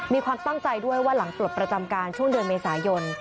มีความตั้งใจด้วยว่าหลังปลดประจำการช่วงเดือนเมษายน